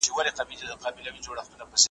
چې افغان انسان ته